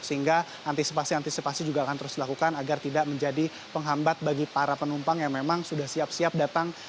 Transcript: sehingga antisipasi antisipasi juga akan terus dilakukan agar tidak menjadi penghambat bagi para penumpang yang memang sudah siap siap datang